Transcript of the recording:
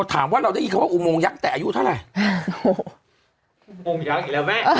ถามว่าเราได้ยินคำว่าอุโมงยักษ์แต่อายุเท่าไหร่อุโมงยักษ์อีกแล้วแม่